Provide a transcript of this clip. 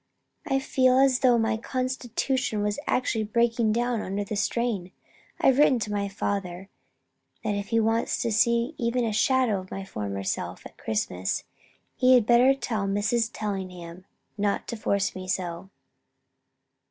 "I feel as though my constitution was actually breaking down under the strain. I've written to my father that if he wants to see even a shadow of my former self at Christmas, he had better tell Mrs. Tellingham not to force me so!"